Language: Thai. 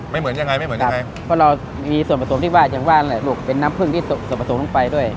ไม่เหมือนยังไงไม่เหมือนยังไงเพราะเรามีส่วนผสมที่ว่าอย่างว่าแหละลูกเป็นน้ำผึ้งที่ส่วนผสมลงไปด้วย